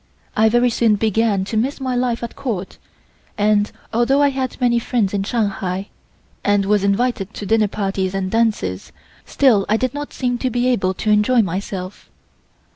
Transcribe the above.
I very soon began to miss my life at Court, and, although I had many friends in Shanghai and was invited to dinner parties and dances; still I did not seem to be able to enjoy myself.